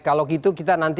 kalau gitu kita nanti